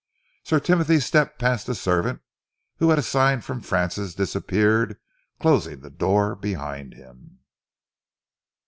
Sir Timothy stepped past the servant, who at a sign from Francis disappeared, closing the door behind him.